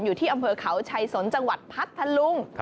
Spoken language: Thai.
อยู่ที่อำเภอเขาชัยสนจังหวัดพัทธลุง